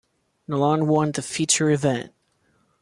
Nalon won the feature event.